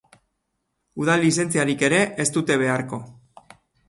Udal lizentziarik ere ez dute beharko.